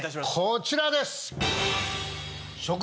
こちらです！